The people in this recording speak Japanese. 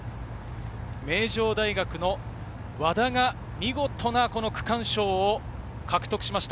名城大の和田が見事な区間賞を獲得しました。